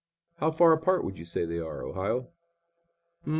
"How far apart would you say they are, Ohio?"